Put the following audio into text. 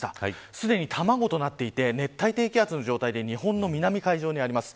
すでに卵となっていて熱帯低気圧の状態で日本の南海上にあります。